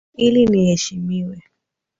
Ili niheshimiwe.